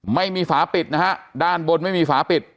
ไม่มีฝาปิดนะฮะด้านบนไม่มีฝาปิด